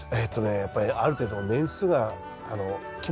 やっぱりある程度年数が決まってますよね。